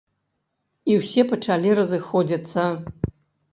І ўсе пачалі разыходзіцца.